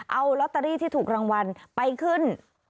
เอาลอตเตอรี่ที่ถูกรางวัลไปขึ้น